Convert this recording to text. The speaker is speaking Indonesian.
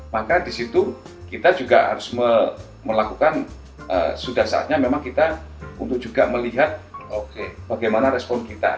maka di situ kita juga harus melakukan sudah saatnya memang kita untuk juga melihat bagaimana respon kita